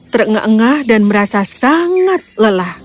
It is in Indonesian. terengah engah dan merasa sangat lelah